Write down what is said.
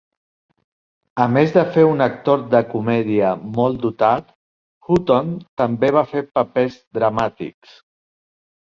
A més de fer un actor de comèdia molt dotat, Hutton també va fer papers dramàtics.